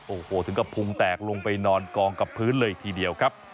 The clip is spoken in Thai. โอ้โหถึงกระพุงแตกลงไปนอนกองกับพื้นเลยทีเดียวครับ